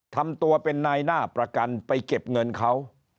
ทำตัวเป็นนายหน้าประกันไปเก็บเงินเขา